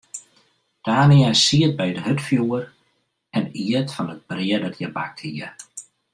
Tania siet by it hurdfjoer en iet fan it brea dat hja bakt hie.